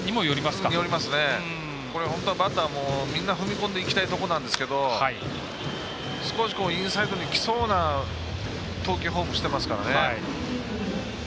本当は、バッターもみんな踏み込んでいきたいところなんですけど少しインサイドにきそうな投球フォームしていますからね。